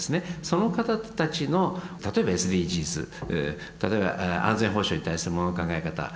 その方たちの例えばＳＤＧｓ例えば安全保障に対するものの考え方